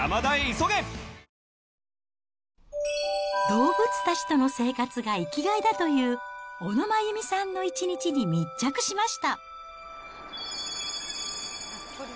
動物たちとの生活が生きがいだという小野真弓さんの一日に密着しました。